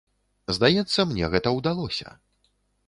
Здаецца, мне гэта ўдалося.